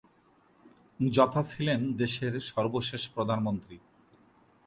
যথা ছিলেন দেশের সর্বশেষ প্রধানমন্ত্রী।